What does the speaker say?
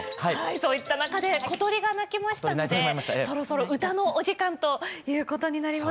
そういった中で小鳥が鳴きましたのでそろそろ歌のお時間ということになります。